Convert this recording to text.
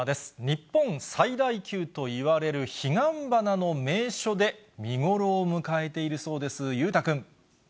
日本最大級といわれる彼岸花の名所で、見頃を迎えているそうです。